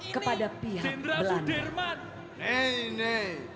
kepada pihak belanda